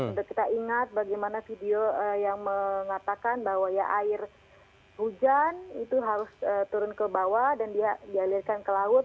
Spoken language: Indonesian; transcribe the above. untuk kita ingat bagaimana video yang mengatakan bahwa ya air hujan itu harus turun ke bawah dan dialirkan ke laut